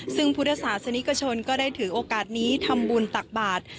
ซึ่งพุทธศาสนิกชนก็ได้ถือโอกาสนี้ทำบุญตักบาท